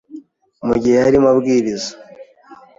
Mu gihe yarimo abwiriza